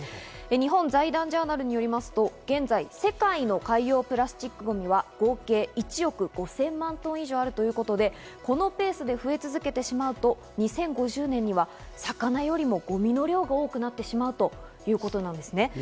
日本財団ジャーナルによりますと現在、世界の海洋プラスチックゴミは合計１億５０００万トン以上あるということで、このペースで増え続けてしまうと、２０５０年には魚よりもゴミの量が多くなってしまうということなんですね。